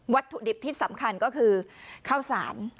ถุดิบที่สำคัญก็คือข้าวสาร